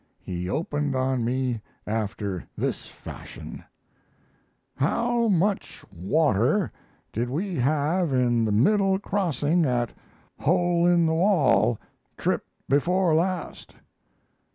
He opened on me after this fashion: "How much water did we have in the middle crossing at Hole in The Wall, trip before last?"